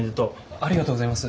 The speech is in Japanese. ありがとうございます。